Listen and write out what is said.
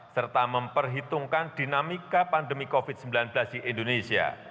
serta memperhitungkan dinamika pandemi covid sembilan belas di indonesia